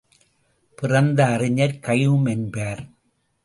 பிறந்த அறிஞர் ஹ்யூம்என்பார்.